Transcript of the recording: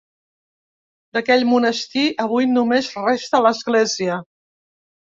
D'aquell monestir avui només resta l'església.